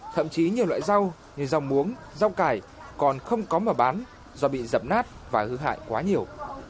thậm chí nhiều loại rau như rau muống rau cải còn không có mở bán do bị dập nát và hư hại quá nhiều